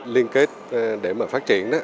liên kết để mà phát triển